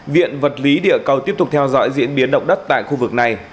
viện vật lý địa cầu tiếp tục theo dõi diễn biến động đất tại khu vực này